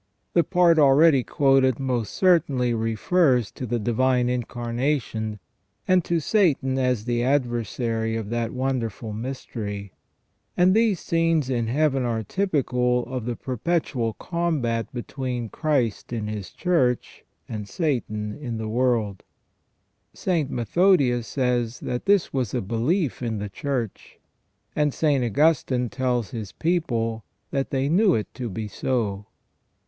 The part already quoted most certainly refers to the Divine Incar * De Divinis Nominibus, c. viii., n. 9, «92 THE FALL OF MAN nation, and to Satan as the adversary of that wonderful mystery; and these scenes in Heaven are typical of the perpetual combat between Christ in His Church and Satan in the world. St. Methodius says that this was a belief in the Church, and St. Augustine tells his people that they knew it to be so.